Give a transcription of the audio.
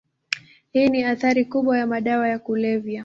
Hii ni athari kubwa ya madawa ya kulevya.